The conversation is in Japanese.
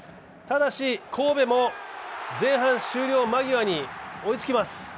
ただし、神戸も前半終了間際に追いつきます。